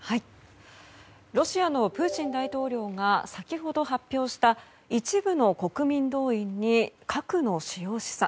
ロシアのプーチン大統領が先ほど発表した一部の国民動員に核の使用示唆。